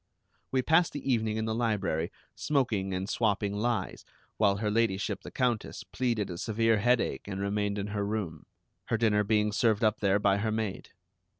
We passed the evening in the library smoking and swapping lies, while Her Ladyship the Countess pleaded a severe headache and remained in her room, her dinner being served up there by her maid.